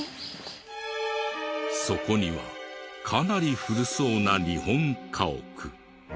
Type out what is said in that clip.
そこにはかなり古そうな日本家屋。